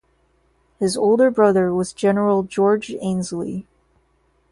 His older brother was General George Ainslie.